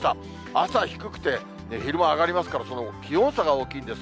朝低くて、昼間上がりますから、その気温差が大きいです。